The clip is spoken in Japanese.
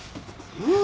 うん。